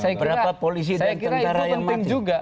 saya kira itu penting juga